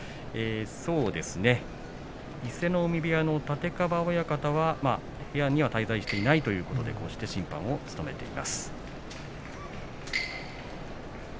そうですね伊勢ノ海部屋の立川親方は部屋に滞在していないということでこうして審判を務めています。